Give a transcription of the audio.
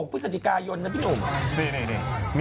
พฤศจิกายนนะพี่หนุ่ม